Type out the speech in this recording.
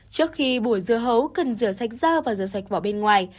trước khi bổ dơ hấu cần rửa sạch da và rửa sạch vỏ bên ngoài